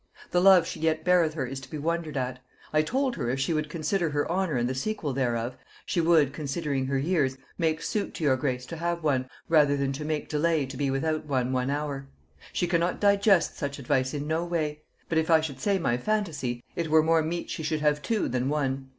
The love she yet beareth her is to be wondered at. I told her, if she would consider her honor and the sequel thereof, she would, considering her years, make suit to your grace to have one, rather than to make delay to be without one one hour. She cannot digest such advice in no way; but if I should say my phantasy, it were more meet she should have two than one.